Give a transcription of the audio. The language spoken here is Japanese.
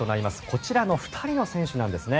こちらの２人の選手なんですね。